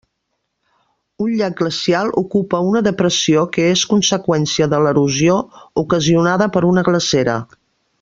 Un llac glacial ocupa una depressió que és conseqüència de l'erosió ocasionada per una glacera.